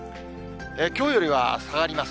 きょうよりは下がります。